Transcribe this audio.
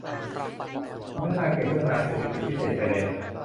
ในการพัฒนาเขตพัฒนาเศรษฐกิจพิเศษชายแดน